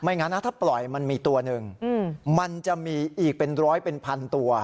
งั้นนะถ้าปล่อยมันมีตัวหนึ่งมันจะมีอีกเป็นร้อยเป็นพันตัว